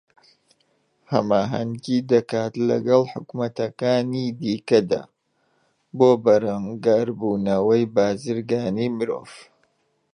ھەماھەنگی دەکات لەگەڵ حوکمەتەکانی دیکەدا بۆ بەرەنگاربوونەوەی بازرگانیی مرۆڤ